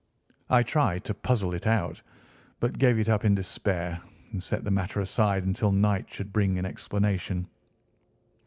I tried to puzzle it out, but gave it up in despair and set the matter aside until night should bring an explanation.